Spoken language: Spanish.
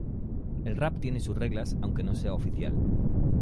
El rap tiene sus reglas aunque no sea "oficial".